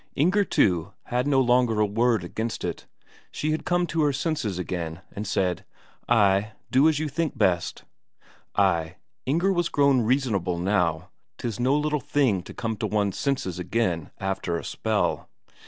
Inger, too, had no longer a word against it; she had come to her senses again, and said: "Ay, do as you think best." Ay, Inger was grown reasonable now; 'tis no little thing to come to one's senses again after a spell.